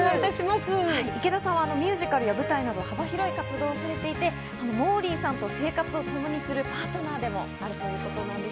池田さんがミュージカルなど、幅広い活動をされていてモーリーさんと生活をともにするパートナーでもあるということなんです。